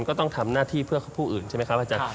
ก็ต้องทำหน้าที่เพื่อผู้อื่นใช่ไหมครับอาจารย์